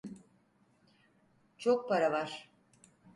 Çok para var.